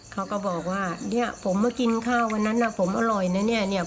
เขาก็บอกว่าผมมากินข้าววันนั้นผมอร่อยนะ